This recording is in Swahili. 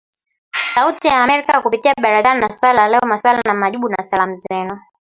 Sauti ya Amerika kupitia Barazani na Swali la Leo, Maswali na Majibu na Salamu Zenu